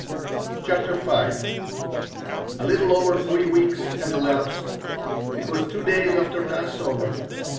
CHAPTER V A LITTLE over three weeks had elapsed. It was two days after Passover.